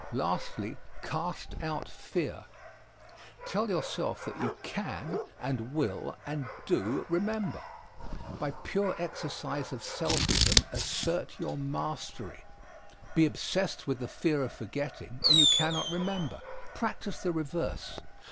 Lastly, cast out fear. Tell yourself that you can and will and do remember. By pure exercise of selfism assert your mastery. Be obsessed with the fear of forgetting and you cannot remember. Practise the reverse.